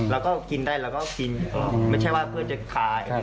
เราก็กินได้เราก็กินก็ไม่ใช่ว่าเพื่อจะขาย